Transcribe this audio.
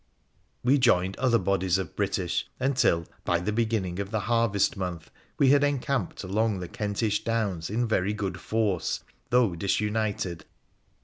We joined other bodies of British, until, by the beginning of the harvest month, we had encamped along the Kentish downs in very good force, though disunited.